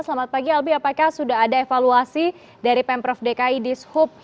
selamat pagi albi apakah sudah ada evaluasi dari pemprov dki di sub